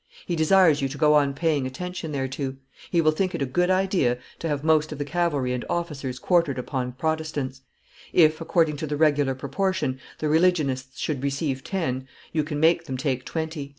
He desires you to go on paying attention thereto; he will think it a good idea to have most of the cavalry and officers quartered upon Protestants; if, according to the regular proportion, the religionists should receive ten, you can make them take twenty."